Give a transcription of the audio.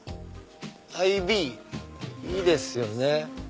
アイビーいいですよね。